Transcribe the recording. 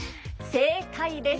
正解です。